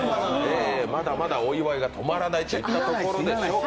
まだまだお祝いが止まらないといったところでしょうか。